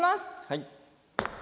はい。